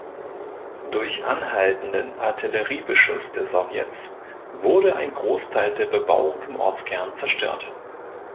Durch anhaltenden Artilleriebeschuss der Sowjets wurde ein Großteil der Bebauung im Ortskern zerstört.